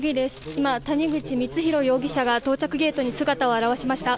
今、谷口光弘容疑者が到着ゲートに到着しました。